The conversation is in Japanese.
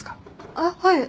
あっはい。